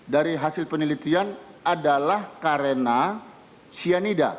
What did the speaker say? dari hasil penelitian adalah karena cyanida